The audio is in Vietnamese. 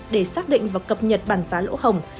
để xác định và cập nhật bản phá lỗ hồng